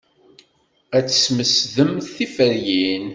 Ad tesmesdemt tiferyin.